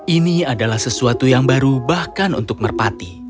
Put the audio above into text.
ini adalah sesuatu yang baru bahkan untuk merpati